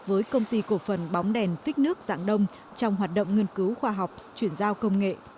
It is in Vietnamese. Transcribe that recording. với công ty cổ phần bóng đèn phích nước dạng đông trong hoạt động nghiên cứu khoa học chuyển giao công nghệ